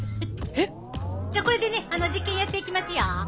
じゃこれでね実験やっていきますよ。